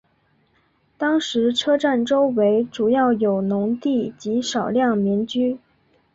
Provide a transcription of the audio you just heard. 当时车站周围主要有农地及少量民居。